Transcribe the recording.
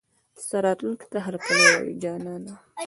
ستا راتلو ته هرکلی وايو جانانه